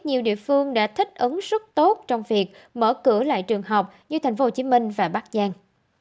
nhiều địa phương đã thích ứng sức tốt trong việc mở cửa lại trường học như tp hcm và bắc giang